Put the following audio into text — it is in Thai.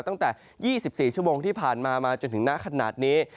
ตั้งแต่๒๔ชั่วโมงที่ผ่านมามาจนถึงหน้าขนาดนี้